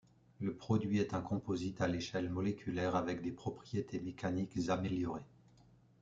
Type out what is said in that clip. Le produit est un composite à l'échelle moléculaire avec des propriétés mécaniques améliorées.